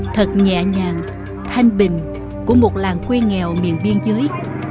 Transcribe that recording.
thật nhẹ nhàng thanh bình của một làng quê nghèo miền biên giới